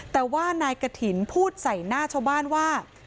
แต่ว่านายกฐินพูดใส่หน้าชาวบ้านว่า